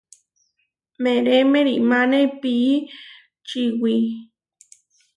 Meeré meʼrimáne pií čiwí.